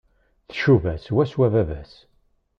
Tcuba swaswa baba-s.